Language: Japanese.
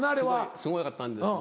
すごかったんですね